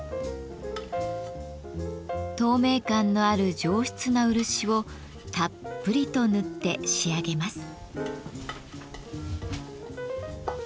透明感のある上質な漆をたっぷりと塗って仕上げます。